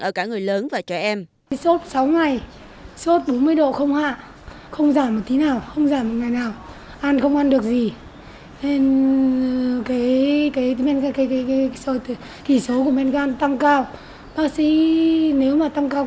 ở cả người lớn và trẻ em